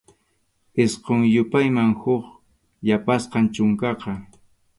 Isqun yupayman huk yapasqam chunkaqa.